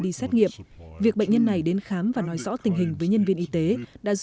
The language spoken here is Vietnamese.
đi xét nghiệm việc bệnh nhân này đến khai thống